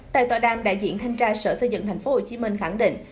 tại tòa đàm đại diện thanh tra sở xây dựng tp hcm khẳng định